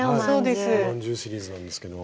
おまんじゅうシリーズなんですけども。